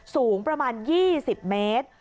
สูงประมาณ๒๐เมตร